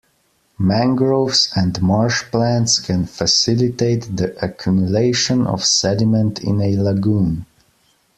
Mangroves and marsh plants can facilitate the accumulation of sediment in a lagoon.